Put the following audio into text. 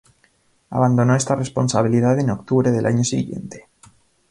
Abandonó esta responsabilidad en octubre del año siguiente.